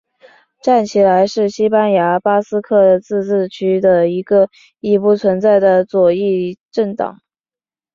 站起来是西班牙巴斯克自治区的一个已不存在的左翼政党。